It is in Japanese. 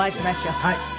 はい。